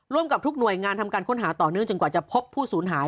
ร่วมกับทุกหน่วยงานทำการค้นหาต่อเนื่องจนกว่าจะพบผู้สูญหาย